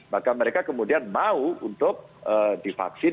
maka mereka kemudian mau untuk divaksin